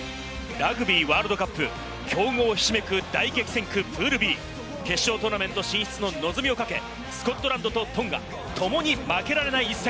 ラグビーワールドカップ、強豪ひしめく大激戦区プールＢ、決勝トーナメント進出の望みをかけ、スコットランドとトンガ、ともに負けられない一戦。